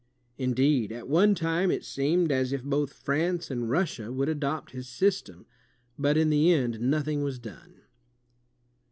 Indeed, at one time it seemed as if both France and Russia would adopt his system, but in the end nothing was done.